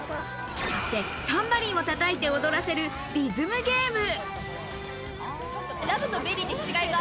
そしてタンバリンを叩いて踊らせるリズムゲーム。